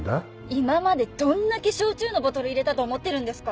今までどんだけ焼酎のボトル入れたと思ってるんですか！